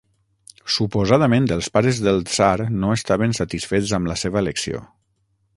Suposadament, els pares del tsar no estaven satisfets amb la seva elecció.